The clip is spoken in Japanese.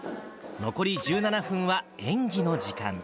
残り１７分は演技の時間。